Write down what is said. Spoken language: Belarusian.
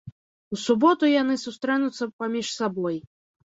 У суботу яны сустрэнуцца паміж сабой.